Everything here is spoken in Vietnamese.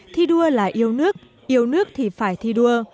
thi đua là yêu nước yêu nước thì phải thi đua